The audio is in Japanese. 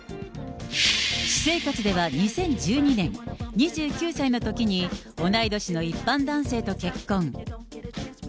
私生活では２０１２年、２９歳のときに同い年の一般男性と結婚。